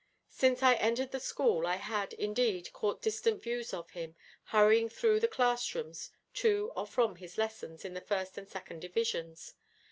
Since I entered the school I had, indeed, caught distant views of him, hurrying through the class rooms to or from his lessons in the First and Second divisions.